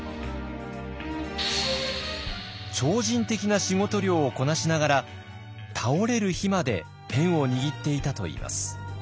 超人的な仕事量をこなしながら倒れる日までペンを握っていたといいます。